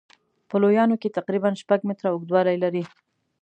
په لویانو کې تقریبا شپږ متره اوږدوالی لري.